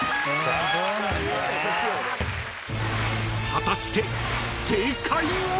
［果たして正解は！？］